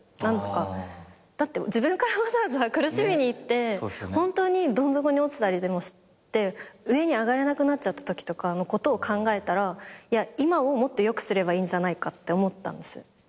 だって自分からわざわざ苦しみにいって本当にどん底に落ちたりでもして上に上がれなくなっちゃったときとかのことを考えたらいや今をもっと良くすればいいんじゃないかって思ったんです。